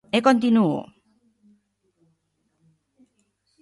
E continúo.